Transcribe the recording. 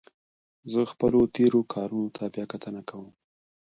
زه خپلو تېرو کارونو ته بیا کتنه کوم.